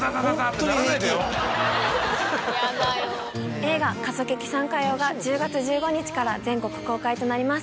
映画『かそけきサンカヨウ』が１０月１５日から全国公開となります。